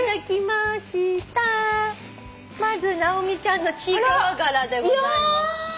まず直美ちゃんのちいかわ柄でございます。